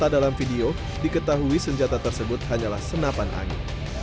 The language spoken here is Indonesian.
dalam video diketahui senjata tersebut hanyalah senapan angin